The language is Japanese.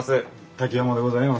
瀧山でございます。